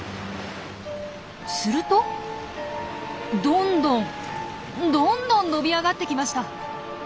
するとどんどんどんどん伸び上がってきました。